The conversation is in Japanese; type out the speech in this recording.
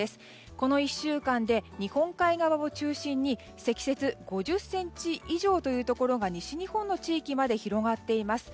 この１週間で日本海側を中心に積雪５０ｃｍ以上というところが西日本の地域まで広がっています。